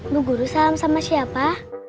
nunggu guru salam sama siapa